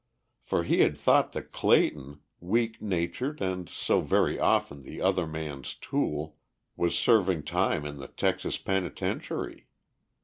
For he had thought that Clayton, weak natured and so very often the other man's tool, was serving time in the Texas penitentiary.